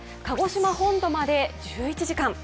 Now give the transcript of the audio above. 鹿児島本土まで１１時間。